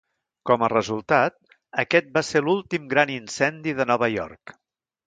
Com a resultat, aquest va ser l'últim gran incendi de Nova York.